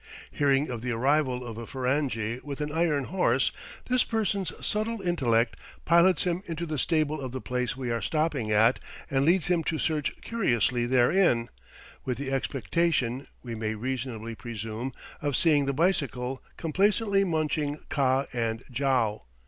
Hearing of the arrival of a Ferenghi with an iron horse, this person's subtle intellect pilots him into the stable of the place we are stopping at and leads him to search curiously therein, with the expectation, we may reasonably presume, of seeing the bicycle complacently munching kah and jow.